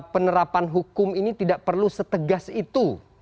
penerapan hukum ini tidak perlu setegas itu